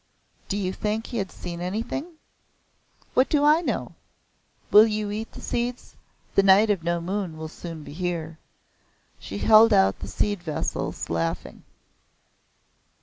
"Do you think he had seen anything?" "What do I know? Will you eat the seeds? The Night of No Moon will soon be here." She held out the seed vessels, laughing.